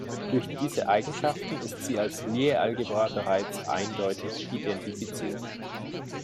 Durch diese Eigenschaften ist sie als Lie-Algebra bereits eindeutig identifiziert.